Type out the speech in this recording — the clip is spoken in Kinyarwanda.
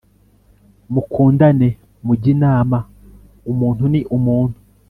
mukundane mujye inama umuntu ni umuntu